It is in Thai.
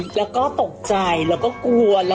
เวลาตัดแล้วฟังดีใจแล้วควรกวน